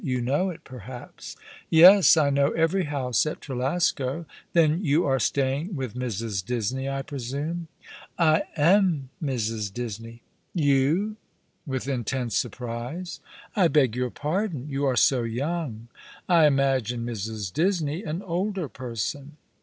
You know it, perhaps ?" "Y''es. I know every house at Trelasco. Then you are staying with Mrs. Disney, I presume ?"" I am Mrs. Disney." *' You ?"— with intense surpise. " I beg your pardon. Y"ou are so young. I imagined Mrs. Disney an older person."